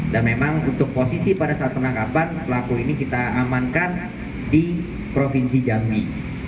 dan memang untuk posisi pada saat penangkapan pelaku ini kita amankan di provinsi jambi